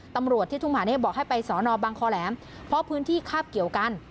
ตำรวจที่ทุ่งมหาเมฆบอกให้ไปสอนอบังคอแหลมเพราะพื้นที่คาบเกี่ยวกัน